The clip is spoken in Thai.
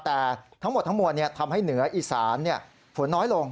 แต่ทั้งหมดทั้งมวลเนี่ยทำให้เหนืออิสานเนี่ยฝนน้อยลง